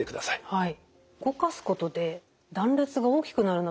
はい。